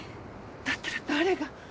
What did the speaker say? だったら誰が？